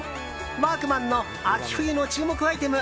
ワークマンの秋冬の注目アイテム